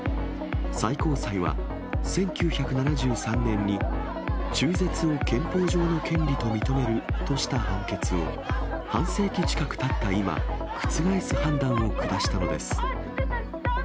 最高裁は１９７３年に、中絶を憲法上の権利と認めるとした判決を、半世紀近くたった今、覆す判断を下したのです。